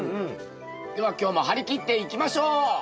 では今日も張り切っていきましょう！